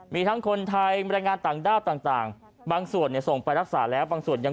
มีทั้งคนไทยบรรยายงานต่างบางส่วนส่งไปรักษาแล้ว